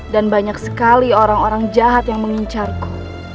dan banyak sekali orang orang jahat yang mengincarku